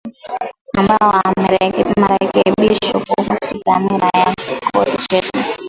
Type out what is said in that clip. Ameomba marekebisho kuhusu dhamira ya kikosi chetu.